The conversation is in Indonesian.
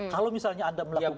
kalau misalnya anda melakukan